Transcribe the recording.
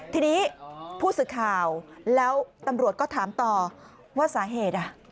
ทีนี้ผู้สื่อข่าวแล้วตำรวจก็ถามต่อว่าสาเหตุ